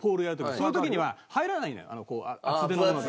そういう時には入らないのよ厚手のものだと。